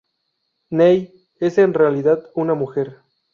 Nei es en realidad una mujer.